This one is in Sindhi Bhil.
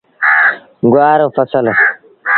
گُوآر رو ڦسل۔